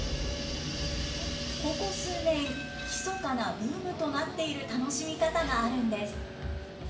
ここ数年、ひそかなブームとなっている楽しみ方があるんです。